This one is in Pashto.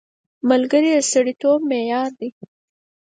ملګری د سړیتوب معیار دی